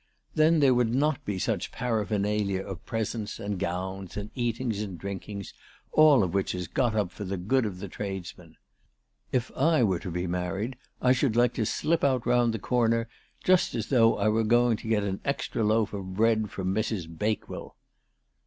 Then there would not be such paraphernalia of presents and gowns and eatings and drinkings, all of which is got up for the good of the tradesmen. If I were to be married, I should like to slip out round the corner, just as though I were going to get an extra loaf of bread from Mrs. Bakewell."